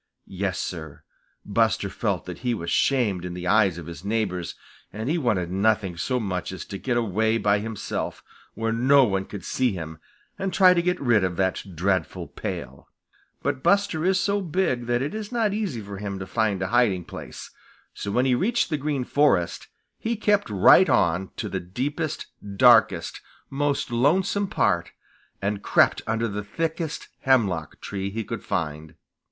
Yes, Sir, Buster felt that he was shamed in the eyes of his neighbors, and he wanted nothing so much as to get away by himself, where no one could see him, and try to get rid of that dreadful pail. But Buster is so big that it is not easy for him to find a hiding place. So, when he reached the Green Forest, he kept right on to the deepest, darkest, most lonesome part and crept under the thickest hemlock tree he could find.